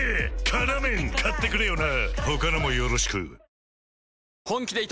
「辛麺」買ってくれよな！